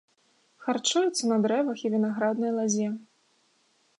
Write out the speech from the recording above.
Харчуюцца на дрэвах і вінаграднай лазе.